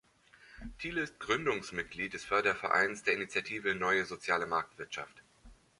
Thiele ist Gründungsmitglied des Fördervereins der Initiative Neue Soziale Marktwirtschaft.